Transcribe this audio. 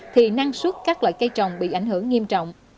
thì năng suất các loại cây trồng bị ảnh hưởng nghiêm trọng